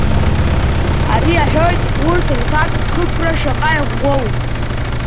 Ари иаҳәоит урҭ рҭакԥхықәра шаҟа иӷәӷәоу.